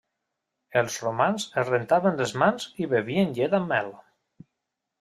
Els romans es rentaven les mans i bevien llet amb mel.